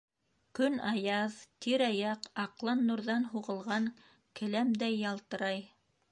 Көн аяҙ, тирә-яҡ аҡлан нурҙан һуғылған келәмдәй ялтырай.